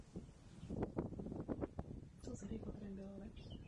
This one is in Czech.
Tato definice je vhodná pro více účelů.